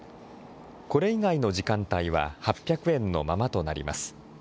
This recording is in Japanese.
これ以外の時間帯は８００円のままとなります。